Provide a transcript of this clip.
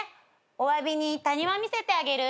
おわびに谷間見せてあげる。